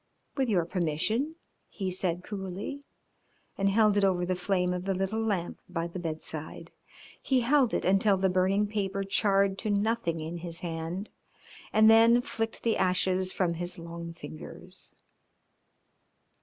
"With your permission," he said coolly, and held it over the flame of the little lamp by the bedside. He held it until the burning paper charred to nothing in his hand and then flicked the ashes from his long fingers.